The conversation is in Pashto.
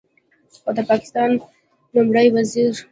او د پاکستان لومړي وزیر